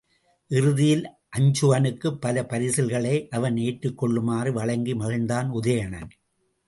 இறுதியில், அருஞ்சுகனுக்குப் பல பரிசில்களை அவன் ஏற்றுக் கொள்ளுமாறு வழங்கி மகிழ்ந்தான் உதயணன்.